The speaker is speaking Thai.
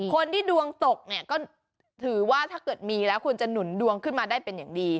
คนที่ดวงตกเนี่ยก็ถือว่าถ้าเกิดมีแล้วคุณจะหนุนดวงขึ้นมาได้เป็นอย่างดี